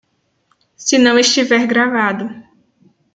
Se não estiver gravado